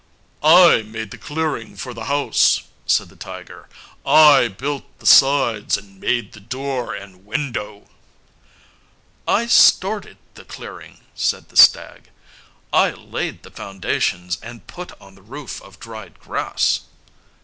"I made the clearing for the house," said the tiger, "I built the sides and made the door and window." "I started the clearing," said the stag. "I laid the foundations and put on the roof of dried grass."